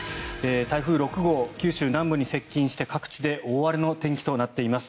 台風６号、九州南部に接近して各地で大荒れの天気となっています。